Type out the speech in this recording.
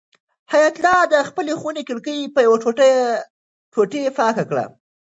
حیات الله د خپلې خونې کړکۍ په یوې ټوټې پاکه کړه.